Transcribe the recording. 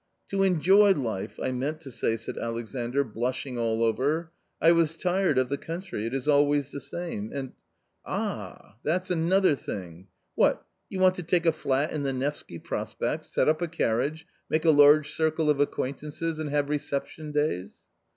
" To enjoy life, I meant to say," said Alexandr, blushing all over; " I was tired of the country — it is always the same and ...."" Ah ! that's another thing ! What, you want to take aflat in the Nevsky Prospect, set up a carrage, make a large circle of acquaintances and have reception days